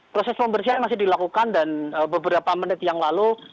proses pembersihan masih dilakukan dan beberapa menit yang lalu